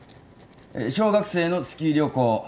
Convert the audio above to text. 小学生のスキー旅行。